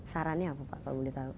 sarannya apa pak kalau boleh tahu